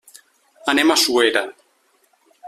Anem a Suera.